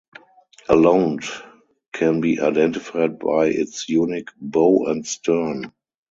A londe can be identified by its unique bow and stern.